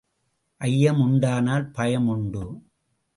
ஐயம் உண்டானால் பயம் உண்டு.